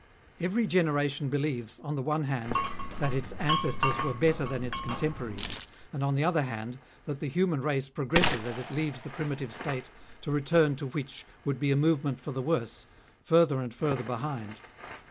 Every generation believes, on the one, hand, that its ancestors were better than its contem poraries ; and on the other hand, that the human race progresses as it leaves the primitive state, to return to which would be a movement for the worse, further and] further behind.